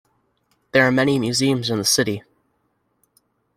There are many museums in the city.